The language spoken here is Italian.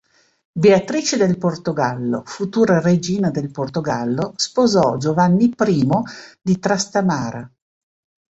Beatrice del Portogallo, futura regina del Portogallo sposò Giovanni I di Trastamara.